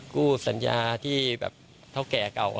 สัญญาที่แบบเท่าแก่เก่า